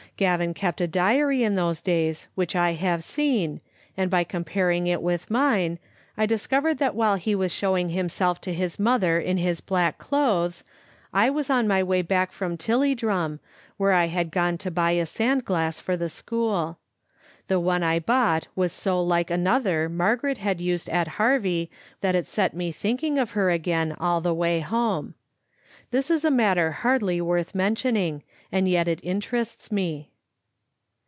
Gavin kept a diary in those days, which I have seen, and by comparing it with mine, I discovered that while he was showing himself to his mother in his black clothes, I was on my way back from Tilliedrum, where I had gone to buy a sand glass for the school. The one I bought was so like an other Margaret had used at Harvie that it set me thinking of her again all the way home. This is a matter hardly worth mentioning, and yet it interests me.